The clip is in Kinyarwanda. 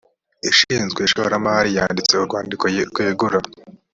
ishinzwe ishoramari yanditse urwandiko rwegura